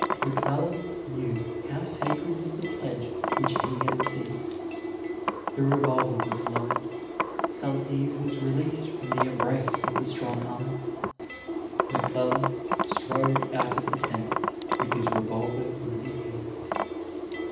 McClellan knew how sacred was the pledge which he had received. The revolver was lowered. Saltese was released from the embrace of the strong arm. McClellan strode out of the tent with his revolver in his hand.